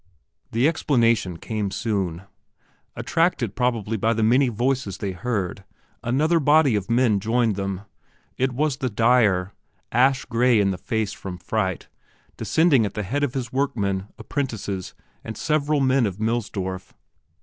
The explanation came soon. Attracted probably by the many voices they heard, another body of men joined them. It was the dyer ash gray in the face from fright descending at the head of his workmen, apprentices, and several men of Millsdorf.